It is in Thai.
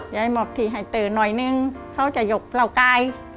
ย้ายหมอบที่ให้เต๋หน่อยนึงเขาจะหยกเราไก่